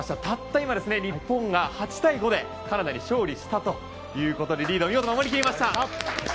たった今、日本が８対５でカナダに勝利したということでリードを見事守り切りました。